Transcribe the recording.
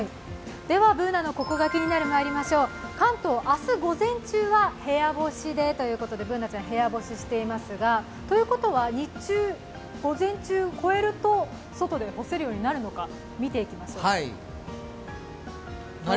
では、Ｂｏｏｎａの「ココがキニナル」、まいりましょう関東、明日午前中は部屋干しでということで、Ｂｏｏｎａちゃん、部屋干ししてますが、ということは日中、午前中を超えると外で干せるようになるのか、見ていきましょう。